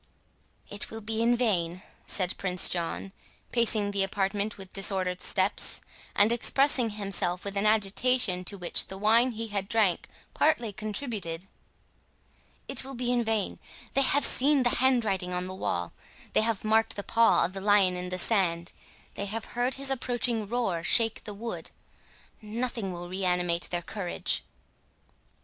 "It will be in vain," said Prince John, pacing the apartment with disordered steps, and expressing himself with an agitation to which the wine he had drank partly contributed—"It will be in vain—they have seen the handwriting on the wall—they have marked the paw of the lion in the sand—they have heard his approaching roar shake the wood—nothing will reanimate their courage."